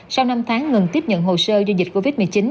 sau năm tháng ngừng tiếp nhận hồ sơ do dịch covid một mươi chín